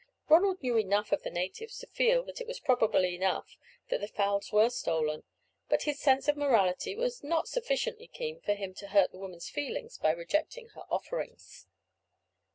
Ronald knew enough of the natives to feel that it was probable enough that the fowls were stolen; but his sense of morality was not sufficiently keen for him to hurt the woman's feelings by rejecting her offerings.